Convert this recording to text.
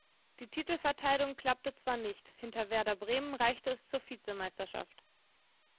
Die Titelverteidigung klappte zwar nicht, hinter Werder Bremen reichte es zur Vizemeisterschaft.